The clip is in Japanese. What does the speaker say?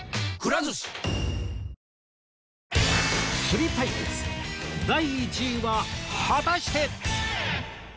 釣り対決第１位は果たして